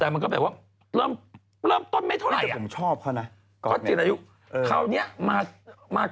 เป็นก็แบบว่าเริ่มต้นกว่าไม่เท่าไหร่